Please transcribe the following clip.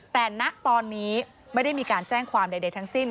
แต่ณตอนนี้ไม่ได้มีการแจ้งความใดทั้งสิ้น